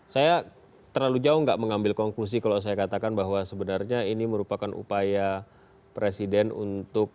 saya terlalu jauh nggak mengambil konklusi kalau saya katakan bahwa sebenarnya ini merupakan upaya presiden untuk